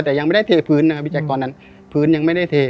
แต่ยังไม่ได้เทพื้นนะครับพี่แจ๊คตอนนั้นพื้นยังไม่ได้เท